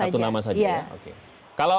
hanya satu nama saja